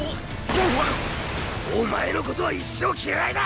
お前の事は一生嫌いだ！